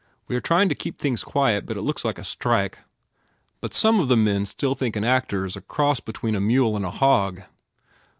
We are trying to keep things quiet but it looks like a strike. But some of the men still think an actor is a cross between a mule and a hog.